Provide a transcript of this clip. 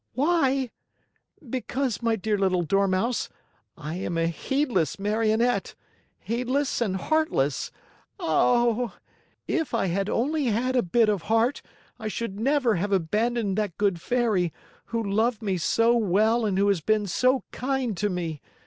"Why? Because, my dear little Dormouse, I am a heedless Marionette heedless and heartless. Oh! If I had only had a bit of heart, I should never have abandoned that good Fairy, who loved me so well and who has been so kind to me!